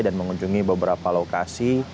dan mengunjungi beberapa lokasi